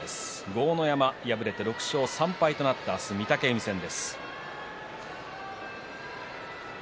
豪ノ山敗れて６勝３敗となって明日は御嶽海戦です。